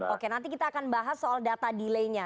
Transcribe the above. oke nanti kita akan bahas soal data delay nya